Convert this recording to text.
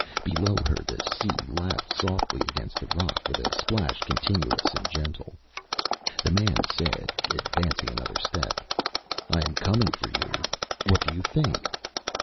Below her the sea lapped softly against the rock with a splash continuous and gentle. The man said, advancing another step ÂI am coming for you. What do you think?